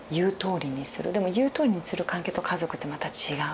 でも言うとおりにする関係と家族ってまた違う。